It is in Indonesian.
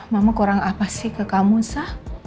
mama kurang apa sih ke kamu sah